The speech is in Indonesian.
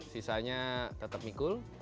sisanya tetap mikul